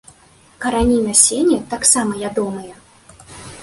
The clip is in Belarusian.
Карані і насенне таксама ядомыя.